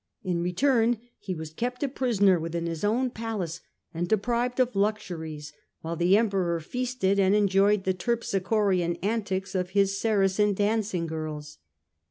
In return he was kept a prisoner within his own palace and deprived of luxuries, while the Emperor feasted and enjoyed the terpsichorean antics of his Saracen dancing girls.